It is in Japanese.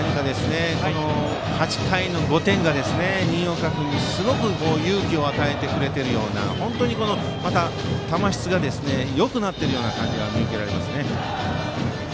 ８回の５点が新岡君にすごく勇気を与えてくれているような本当に球質がよくなっている感じが見受けられます。